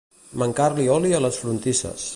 Mancar-li oli a les frontisses.